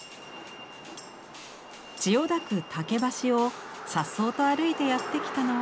千代田区竹橋をさっそうと歩いてやって来たのは。